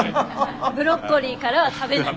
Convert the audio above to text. ブロッコリーからは食べない。